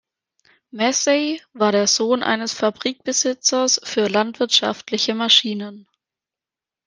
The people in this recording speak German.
Massey war der Sohn eines Fabrikbesitzers für landwirtschaftliche Maschinen.